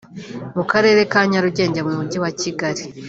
mu Karere ka Nyarugenge mu Mujyi wa Kigali